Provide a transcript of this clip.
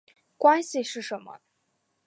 关系是什么？